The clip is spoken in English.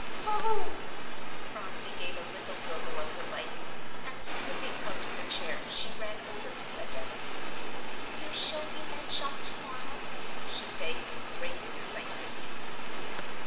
"Oh!" Phronsie gave a little gurgle of delight, and, slipping out of her chair, she ran over to Adela. "Will you show me that shop to morrow?" she begged, in great excitement.